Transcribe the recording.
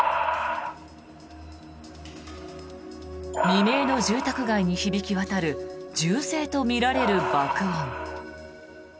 未明の住宅街に響き渡る銃声とみられる爆音。